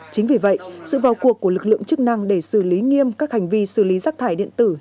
chính vì vậy sự vào cuộc của lực lượng chức năng để xử lý nghiêm các hành vi xử lý rác thải điện tử